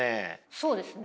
そうですね。